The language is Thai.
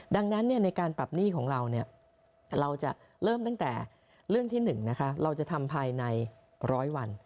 ดังนั้นในการปรับหนี้ของเราเราจะเริ่มตั้งแต่เรื่องที่๑เราจะทำภายใน๑๐๐วัน